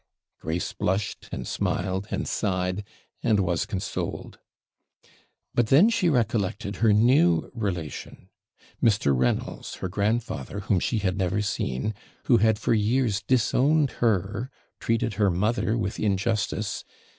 Grace blushed, and smiled, and sighed, and was consoled. But then she recollected her new relation. Mr. Reynolds, her grandfather, whom she had never seen, who had for years disowned her treated her mother with injustice.